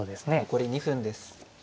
残り２分です。